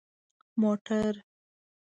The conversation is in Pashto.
🚘 موټر